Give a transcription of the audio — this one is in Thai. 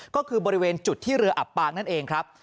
ก็คือบริเวณจุดที่เรืออับปางนั่นเองครับ